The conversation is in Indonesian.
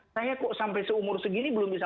saya kok sampai seumur segini belum bisa